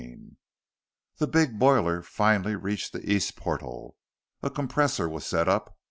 XXIV The big boiler finally reached the east portal. A compressor was set up.